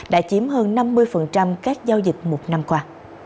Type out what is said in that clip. đã chiếm hơn năm mươi các giao dịch một năm qua